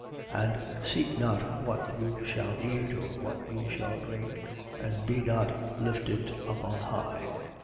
12:29. And seek not what you shall eat or what you shall drink: and be not lifted up on high.